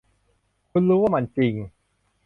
คุณรู้ ว่ามันจริง !